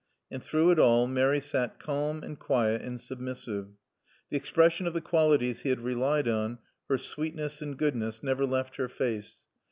And through it all Mary sat calm and quiet and submissive. The expression of the qualities he had relied on, her sweetness and goodness, never left her face.